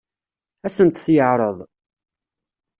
Ad sent-t-yeɛṛeḍ?